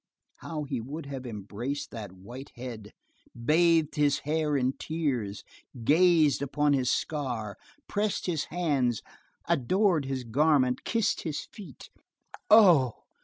How he would have embraced that white head, bathed his hair in tears, gazed upon his scar, pressed his hands, adored his garment, kissed his feet! Oh!